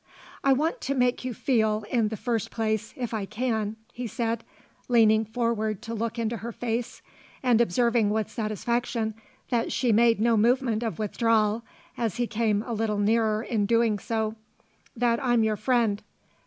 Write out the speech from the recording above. "I want to make you feel, in the first place, if I can," he said, leaning forward to look into her face and observing with satisfaction that she made no movement of withdrawal as he came a little nearer in so doing, "that I'm your friend.